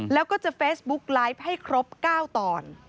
แล้วก็จะเฟซบุ๊กไลฟ์ให้ครบ๙ตอน